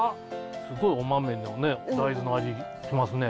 すごいお豆のね大豆の味しますね。